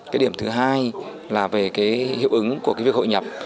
cái điểm thứ hai là về cái hiệu ứng của cái việc hội nhập